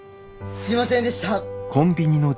すいませんでした。